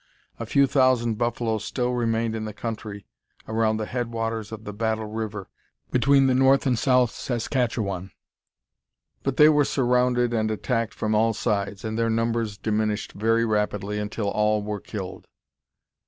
A few thousand buffaloes still remained in the country around the headwaters of the Battle River, between the North and South Saskatchewan, but they were surrounded and attacked from all sides, and their numbers diminished very rapidly until all were killed.